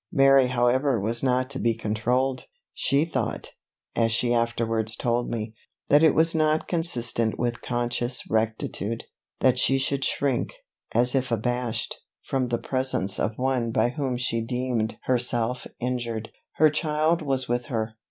Mary however was not to be controlled. She thought, as she afterwards told me, that it was not consistent with conscious rectitude, that she should shrink, as if abashed, from the presence of one by whom she deemed herself injured. Her child was with her.